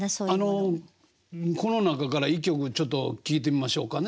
あのこの中から１曲ちょっと聴いてみましょうかね。